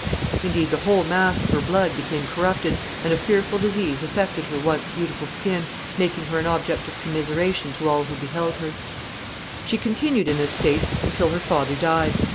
Indeed, the whole mass of her blood became corrupted, and a fearful disease affected her once beautiful skin, making her an object of commiseration to all who beheld her. [Sidenote: Death of her father.] She continued in this state until her father died.